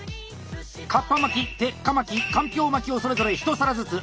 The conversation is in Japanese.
カッパ巻き鉄火巻きかんぴょう巻きをそれぞれ１皿ずつ。